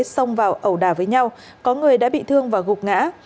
xông vào ẩu đà với nhau có người đã bị thương và gục ngã